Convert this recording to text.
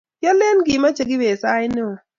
Kyoleen kimeche kibet sait neo